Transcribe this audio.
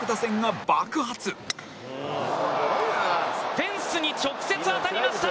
フェンスに直接当たりました。